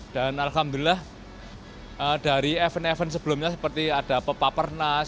dan alhamdulillah dari event event sebelumnya seperti ada pepapernas